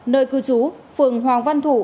nơi cư trú phường hoàng văn thủ